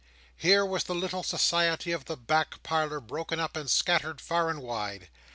Here was the little society of the back parlour broken up, and scattered far and wide.